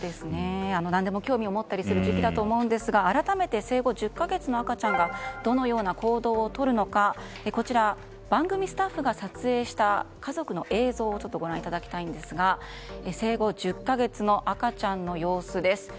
何でも興味を持ったりする時期だと思うんですが改めて生後１０か月の赤ちゃんがどのような行動をとるのかこちら、番組スタッフが撮影した家族の映像をご覧いただきたいんですが生後１０か月の赤ちゃんの様子です。